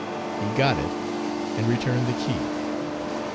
He got it, and returned the key.